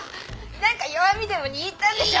何か弱みでも握ったんでしょ。